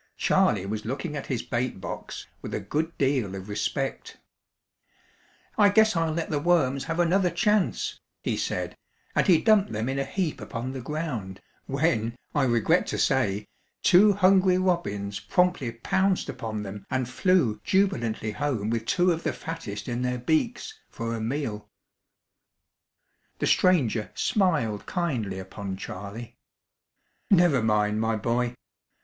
Charley was looking at his bait box with a good deal of respect. "I guess I'll let the worms have another chance," he said, and he dumped them in a heap upon the ground, when, I regret to say, two hungry robins promptly pounced upon them and flew jubilantly home with two of the fattest in their beaks for a meal. The stranger smiled kindly upon Charley. "Never mind, my boy.